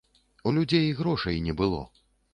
У людзей грошай не было.